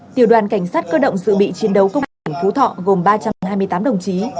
tiểu đoàn cảnh sát cơ động dự bị chiến đấu công an tỉnh phú thọ gồm ba trăm hai mươi tám đồng chí